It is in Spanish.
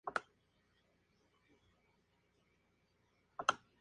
Elisa poseía una magnífica voz a la vez que era una estupenda actriz.